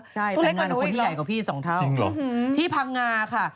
ใช่แต่งงานกับคนที่ใหญ่กว่าพี่สองเท่าที่พังงาค่ะ